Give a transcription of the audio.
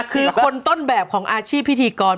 คือคนต้นแบบของอาชีพพิธีกร